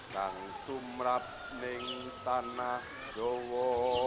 dan sumrat neng tanah jawa